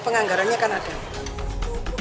di tengah antusiasme masyarakat menerima blt